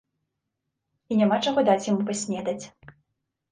І няма чаго даць яму паснедаць.